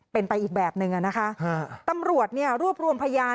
เป็นไปอีกแบบนึงอะนะคะตำรวจเนี่ยรวบรวมพยาน